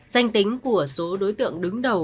danh tính của số đối tượng đứng đầu